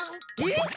えっ！？